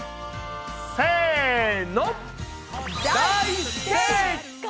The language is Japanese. せの！